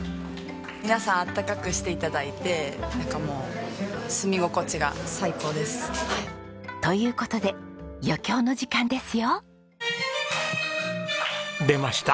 皆さんあったかくして頂いてなんかもう住み心地が最高です。という事で余興の時間ですよ。出ました！